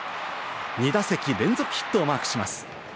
２打席連続ヒットをマークします。